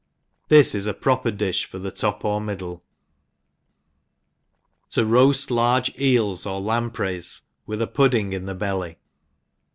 This is a proper di(h for the top or middle. 3V> roafi large Eels or Lampreys ivitb a pud ding in tbe belly.